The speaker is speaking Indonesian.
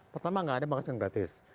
pertama nggak ada pangkas yang gratis